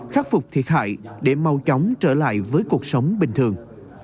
khắc phục thiệt hại để mau chóng trở lại với cuộc sống bình thường